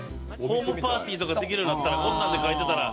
ホームパーティーとかできるようになったらこんなんで書いてたら。